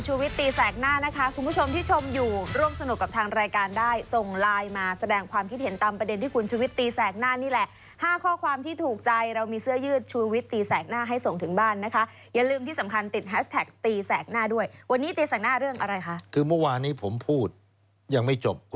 วิตตีแสกหน้านะคะคุณผู้ชมที่ชมอยู่ร่วมสนุกกับทางรายการได้ส่งไลน์มาแสดงความคิดเห็นตามประเด็นที่คุณชุวิตตีแสกหน้านี่แหละห้าข้อความที่ถูกใจเรามีเสื้อยืดชูวิตตีแสกหน้าให้ส่งถึงบ้านนะคะอย่าลืมที่สำคัญติดแฮชแท็กตีแสกหน้าด้วยวันนี้ตีแสกหน้าเรื่องอะไรคะคือเมื่อวานนี้ผมพูดยังไม่จบ